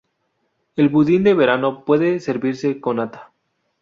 El budín de verano puede servirse con nata.